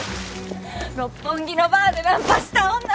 六本木のバーでナンパした女！